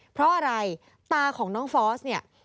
เพราะอะไรตาของน้องฟอสเนี่ย